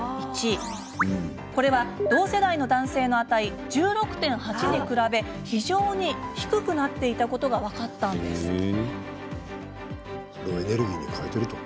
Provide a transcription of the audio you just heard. これは、同性代の男性の値１６．８に比べ非常に低くなっていたことが分かったんです。